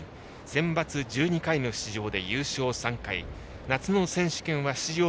センバツ１２回の出場で優勝３回、夏の選手権は出場